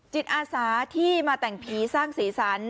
จิตอาสาที่มาแต่งผีสร้างสีสัน